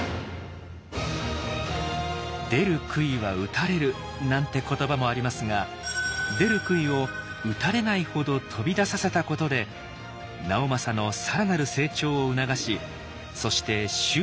「出る杭は打たれる」なんて言葉もありますが出る杭を打たれないほど飛び出させたことで直政の更なる成長を促しそして周囲にも認めさせた家康。